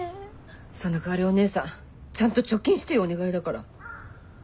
そのかわりお姉さんちゃんと貯金してよお願いだから。